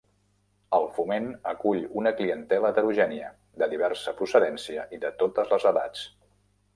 El Foment acull una clientela heterogènia, de diversa procedència i de totes les edats.